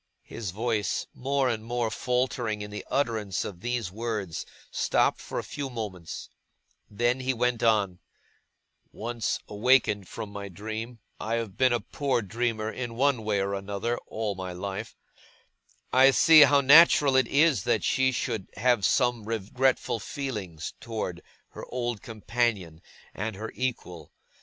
His voice, more and more faltering in the utterance of these words, stopped for a few moments; then he went on: 'Once awakened from my dream I have been a poor dreamer, in one way or other, all my life I see how natural it is that she should have some regretful feeling towards her old companion and her equal.